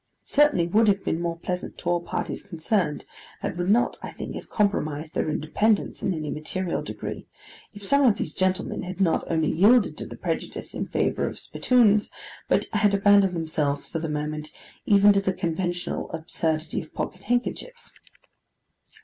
It certainly would have been more pleasant to all parties concerned, and would not, I think, have compromised their independence in any material degree, if some of these gentlemen had not only yielded to the prejudice in favour of spittoons, but had abandoned themselves, for the moment, even to the conventional absurdity of pocket handkerchiefs.